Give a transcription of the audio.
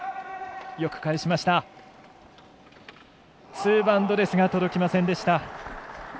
ツーバウンドですが届きませんでした。